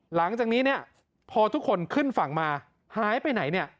หลังจากนี้พอทุกคนขึ้นฝั่งมาหายไปไหน